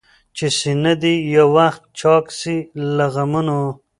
چي سينه دي يو وخت چاك سي له غمونو؟